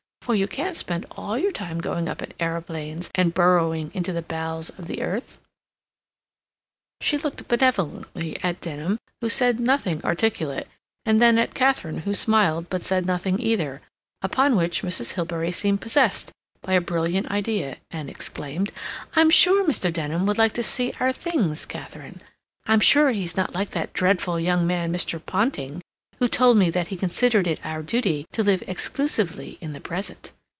—for you can't spend all your time going up in aeroplanes and burrowing into the bowels of the earth." She looked benevolently at Denham, who said nothing articulate, and then at Katharine, who smiled but said nothing either, upon which Mrs. Hilbery seemed possessed by a brilliant idea, and exclaimed: "I'm sure Mr. Denham would like to see our things, Katharine. I'm sure he's not like that dreadful young man, Mr. Ponting, who told me that he considered it our duty to live exclusively in the present.